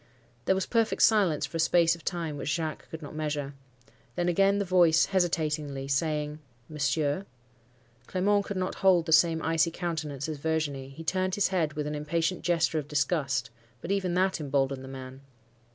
"There was perfect silence for a space of time which Jacques could not measure. Then again the voice, hesitatingly, saying, 'Monsieur!' Clement could not hold the same icy countenance as Virginie; he turned his head with an impatient gesture of disgust; but even that emboldened the man.